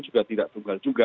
juga tidak tunggal juga